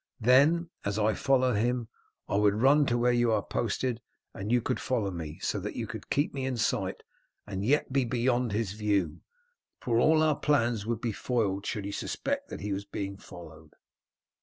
Then, as I follow him, I would run to where you are posted, and you could follow me, so that you could keep me in sight and yet be beyond his view, for all our plans would be foiled should he suspect that he was being followed."